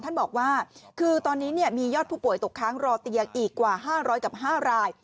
ท่านบอกว่าคือตอนนี้มียอดผู้ป่วยตกค้างรอเตียงอีกกว่า๕๐๐กับ๕ราย